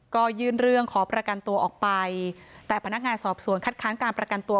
ก็ยื่นเรื่องขอประกันตัวออกไปแต่พนักงานสอบสวนคัดค้านการประกันตัว